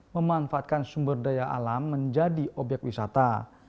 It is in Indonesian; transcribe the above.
memanfaatkan sumber daya alam menjadi obyek wisata